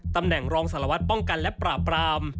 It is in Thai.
ตำแหน่งรองสารวัตรป้องกันและปราบราม